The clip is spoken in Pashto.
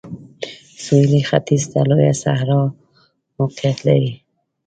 سویلي ختیځ ته یې لویه صحرا موقعیت لري.